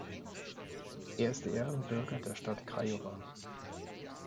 Er ist Ehrenbürger der Stadt Craiova.